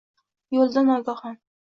Yo’lda nogahon.